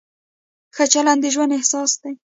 ښه چلند د ژوند اساس دی.